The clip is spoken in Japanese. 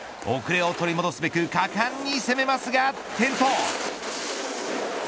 遅れを取り戻すべく果敢に攻めますが、転倒。